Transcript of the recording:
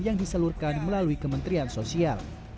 yang diseluruhkan melalui kementerian sosial